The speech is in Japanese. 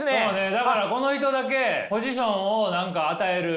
だからこの人だけポジションを何か与える。